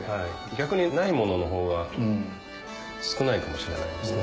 逆にないものの方が少ないかもしれないですね。